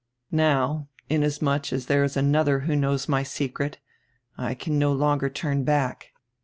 Now, inasmuch as diere is another who knows my secret, I can no longer turn back."